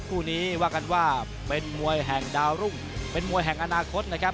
คู่นี้ว่ากันว่าเป็นมวยแห่งดาวรุ่งเป็นมวยแห่งอนาคตนะครับ